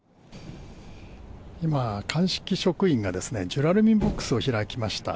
今、鑑識職員がジュラルミンボックスを開きました。